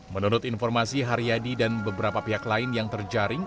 menurut informasi haryadi dan beberapa pihak lain yang terjaring